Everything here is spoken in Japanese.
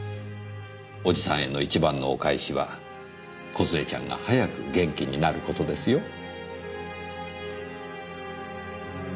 おじさんへの一番のお返しは梢ちゃんが早く元気になる事ですよ。